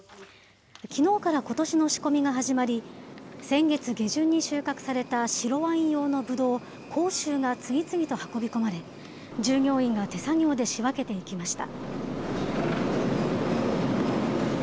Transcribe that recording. きのうからことしの仕込みが始まり、先月下旬に収穫された白ワイン用のぶどう、甲州が次々と運び込まれ、従業員が手作業で仕分けていきました。